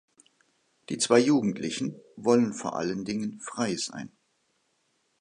Die zwei Jugendlichen wollen vor allen Dingen frei sein.